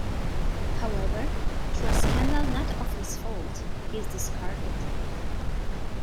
However, through a scandal not of his fault, he is discarded.